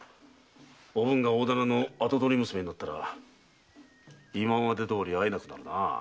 おぶんが大店の跡取り娘になれば今までどおり会えなくなるな。